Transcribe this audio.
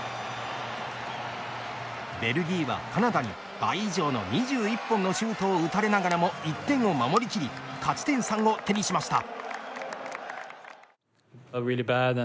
ベルギーはカナダに倍以上の２１本のシュートを打たれながらも１点を守りきり勝ち点３を手にしました。